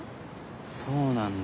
そうなんだ。